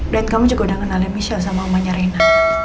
dan kamu juga udah kenalin michelle sama omanya reina